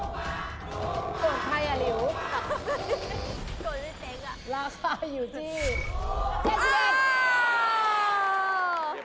เบ๊กเองก็ยินมา